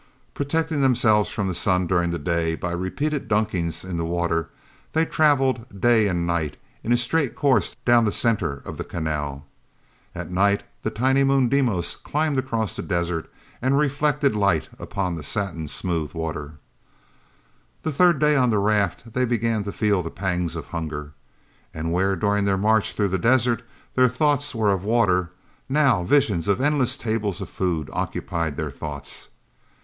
Protecting themselves from the sun during the day by repeated dunkings in the water, they traveled day and night in a straight course down the center of the canal. At night, the tiny moon, Deimos, climbed across the desert and reflected light upon the satin smooth water. The third day on the raft they began to feel the pangs of hunger. And where during their march through the desert, their thoughts were of water, now visions of endless tables of food occupied their thoughts.